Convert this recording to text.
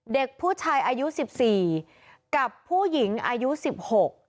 เด็กผู้ชายอายุสิบสี่กับผู้หญิงอายุสิบหก